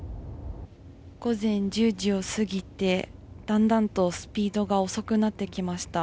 午前１０時をすぎてだんだんとスピードが遅くなってきました。